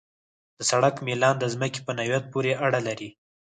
د سړک میلان د ځمکې په نوعیت پورې اړه لري